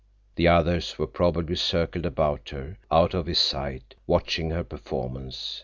The others were probably circled about her, out of his sight, watching her performance.